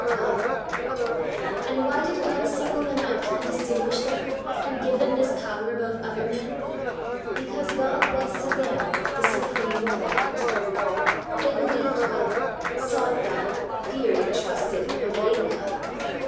God. And why did God single them out and distinguish them, and give them this power above other men? Because God was to them the supreme Fact. They believed God, sought God, feared and trusted and obeyed God.